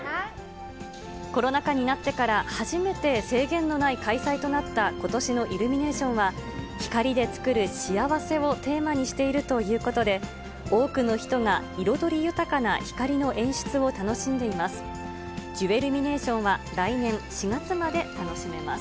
コロナ禍になってから初めて制限のない開催となったことしのイルミネーションは、光でつくる幸せをテーマにしているということで、多くの人が彩り豊かな光の演出を楽しんでいます。